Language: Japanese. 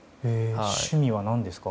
趣味は何ですか？